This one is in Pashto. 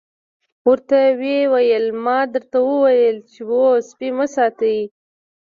ورته ویې ویل ما درته ویلي وو سپي مه ساتئ.